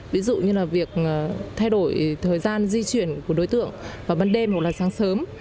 ví dụ như là việc thay đổi thời gian di chuyển của đối tượng vào ban đêm hoặc là sáng sớm